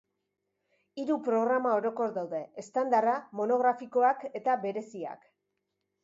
Hiru programa orokor daude: estandarra, monografikoak eta bereziak.